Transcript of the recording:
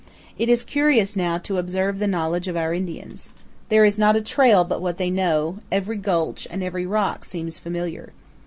It is curious now to observe the knowledge of our Indians. There is not a trail but what they know; every gulch and every rock seems familiar.